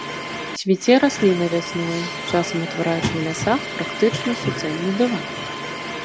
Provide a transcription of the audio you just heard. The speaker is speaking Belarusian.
Цвіце расліна вясной, часам утвараючы ў лясах практычна суцэльны дыван.